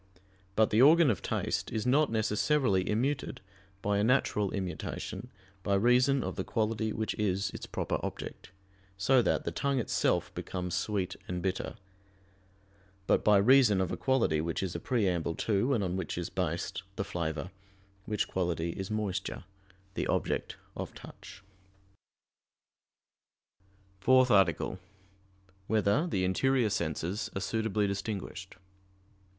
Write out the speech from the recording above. But the organ of taste is not necessarily immuted by a natural immutation by reason of the quality which is its proper object, so that the tongue itself becomes sweet and bitter: but by reason of a quality which is a preamble to, and on which is based, the flavor, which quality is moisture, the object of touch. _______________________ FOURTH ARTICLE [I, Q. 78, Art. 4] Whether the Interior Senses Are Suitably Distinguished?